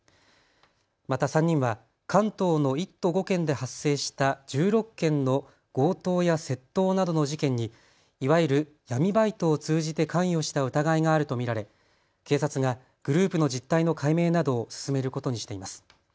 また３人は関東の１都５県で発生した１６件の強盗や窃盗などの事件にいわゆる闇バイトを通じて関与した疑いがあると見られ警察がグループの実態の解明などを進めることにしています。